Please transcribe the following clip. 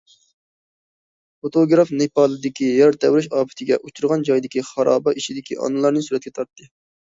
فوتوگراف نېپالدىكى يەر تەۋرەش ئاپىتىگە ئۇچرىغان جايدىكى خارابە ئىچىدىكى ئانىلارنى سۈرەتكە تارتتى.